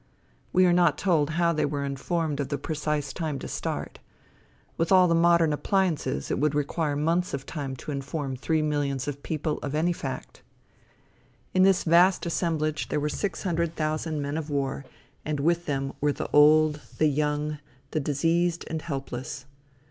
We are not told how they were informed of the precise time to start. With all the modern appliances, it would require months of time to inform three millions of people of any fact. In this vast assemblage there were six hundred thousand men of war, and with them were the old, the young, the diseased and helpless.